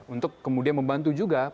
untuk kemudian membantu juga